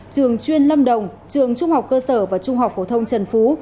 trường chuyên lâm đồng trường trung học cơ sở và trung học phổ thông trần phú